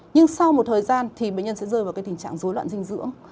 nhưng sau một thời gian thì bệnh nhân sẽ rơi vào tình trạng dối loạn dinh dưỡng